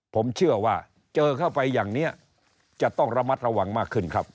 ผมเชื่อว่าเจอเข้าไปอย่างนี้จะต้องระมัดระวังมากขึ้นครับ